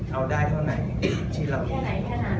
เอาได้เท่าไหนที่เรามีไหน